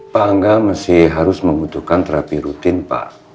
baca dah yang lanjutnya